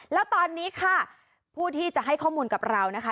แล้วตอนนี้ค่ะผู้ที่จะให้ข้อมูลกับเรานะคะ